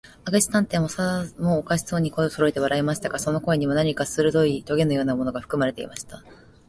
明智探偵も、さもおかしそうに、声をそろえて笑いましたが、その声には、何かするどいとげのようなものがふくまれていました。